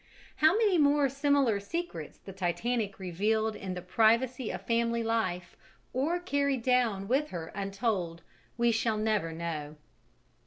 How many more similar secrets the Titanic revealed in the privacy of family life, or carried down with her untold, we shall never know.